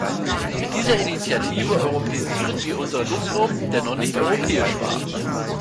Mit dieser Initiative europäisieren wir unseren Luftraum, der noch nicht europäisch war.